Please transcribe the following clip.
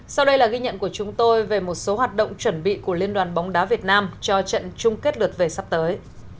sau đây là ghi nhận của chúng tôi về một số hoạt động chuẩn bị của liên đoàn bóng đá việt nam cho trận chung kết lượt về sắp tới